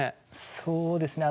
そうですね